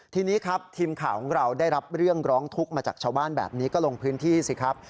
ทีนี้ครับทีมข่าวของเราได้รับเรื่องร้องทุกข์มาจากชาวบ้านแบบนี้ก็ลงพื้นที่สิครับ